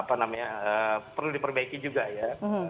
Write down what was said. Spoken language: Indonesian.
apa namanya perlu diperbaiki juga ya